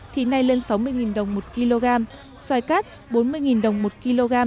thì nay lên sáu mươi đồng một kg xoài cát bốn mươi đồng một kg